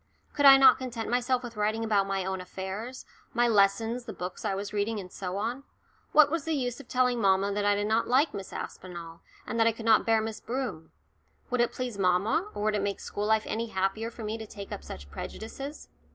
Could I not content myself with writing about my own affairs my lessons, the books I was reading, and so on? What was the use of telling mamma that I did not like Miss Aspinall, and that I could not bear Miss Broom? Would it please mamma, or would it make school life any happier for me to take up such prejudices?